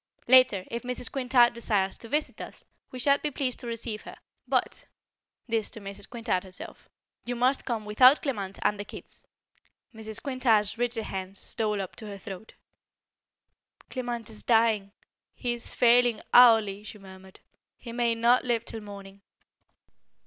Later, if Mrs. Quintard desires to visit us we shall be pleased to receive her. But" this to Mrs. Quintard herself "you must come without Clement and the kids." Mrs. Quintard's rigid hand stole up to her throat. "Clement is dying. He is failing hourly," she murmured. "He may not live till morning."